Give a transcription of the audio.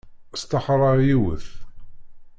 Staxṛeɣ yiwet.